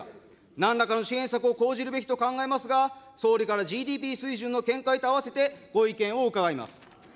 なんらかの支援策を講じるべきと考えますが、総理からＧＤＰ水準の見解と合わせてご意見を伺います。